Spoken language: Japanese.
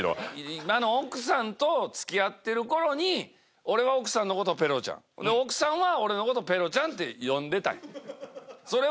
今の奥さんと付き合ってる頃に俺は奥さんのこと「ペロちゃん」奥さんは俺のこと「ペロちゃん」って呼んでたんや。